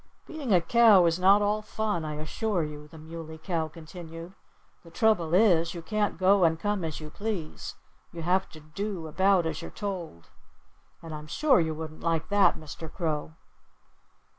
"Being a cow is not all fun, I assure you," the Muley Cow continued. "The trouble is, you can't go and come as you please. You have to do about as you're told. And I'm sure you wouldn't like that, Mr. Crow."